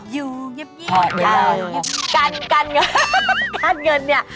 อยากอยู่เงียบ